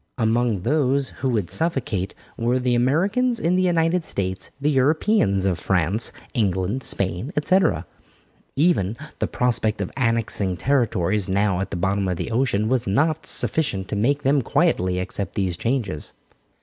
Among those who would suffocate were the Americans in the United States, the Europeans of France, England, Spain, etc. Even the prospect of annexing territories now at the bottom of the ocean was not sufficient to make them quietly accept these changes.